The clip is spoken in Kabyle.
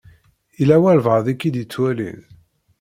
Yella walebɛaḍ i k-id-ittwalin.